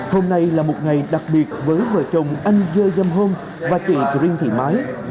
hôm nay là một ngày đặc biệt với vợ chồng anh dơ dâm hôn và chị trinh thị mái